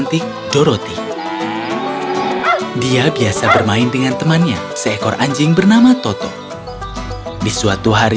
toto ayo masuk ke rumah cepat